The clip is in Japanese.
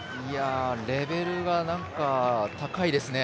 レベルが高いですね。